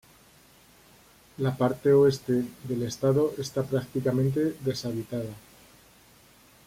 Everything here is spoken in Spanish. La parte oeste del estado está prácticamente deshabitada.